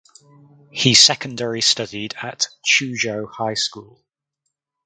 He secondary studied at Chuzhou High School.